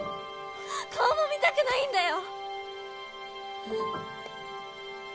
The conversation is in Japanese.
顔も見たくないんだよ